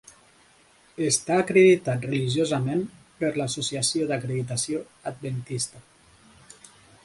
Està acreditat religiosament per l'Associació d'Acreditació Adventista.